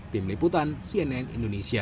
tim liputan cnn indonesia